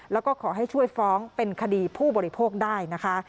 แล้วก็ขอให้ช่วยฟ้องเป็นคดีผู้บริโภคได้นะคะ